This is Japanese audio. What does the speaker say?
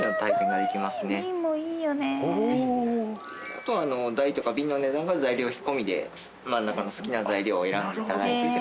あとは台とか瓶の値段が材料費込みで真ん中の好きな材料を選んでいただいてって形に。